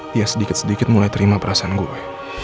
dia sedikit sedikit mulai terima perasaan gue